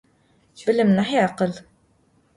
Bılım nahi akhıl.